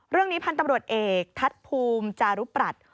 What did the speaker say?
เรื่องนี้พันธ์ตำรวจเอกทัศน์ภูมิจารุปรัช